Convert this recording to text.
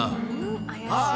ああ。